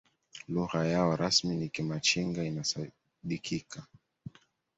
lugha yao rasmi ni kimachinga inasadikika